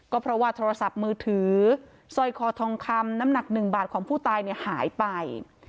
ก็เพราะว่าโทรศัพท์มือถือสร้อยคอทองคำน้ำหนัก๑บาทของผู้ตายเนี่ยหายไป